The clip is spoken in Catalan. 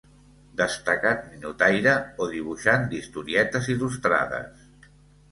Destacat ninotaire o dibuixant d'historietes il·lustrades.